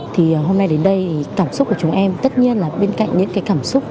thì hôm nay đến đây thì cảm xúc của chúng em tất nhiên là bên cạnh những cái cảm xúc